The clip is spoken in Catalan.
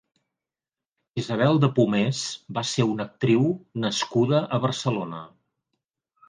Isabel de Pomés va ser una actriu nascuda a Barcelona.